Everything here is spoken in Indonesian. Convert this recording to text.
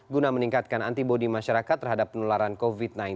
guna meningkatkan antibody masyarakat terhadap penularan covid sembilan belas